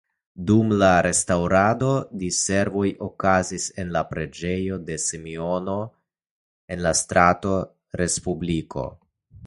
Dum la restaŭrado diservoj okazis en la preĝejo de Simeono en strato Respubliko.